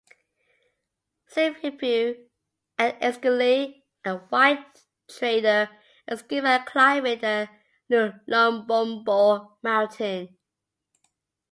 Zibhebhu and Eckersley, a white trader, escaped by climbing the Lubombo mountain.